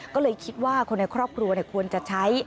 ก็เลยคิดว่าคนในครอบครัวควรจะใช้